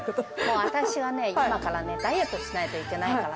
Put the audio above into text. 私はね、今からね、ダイエットしないといけないから。